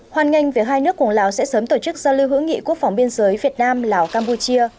hoàn ngành việc hai nước cùng lào sẽ sớm tổ chức giao lưu hữu nghị quốc phòng biên giới việt nam lào campuchia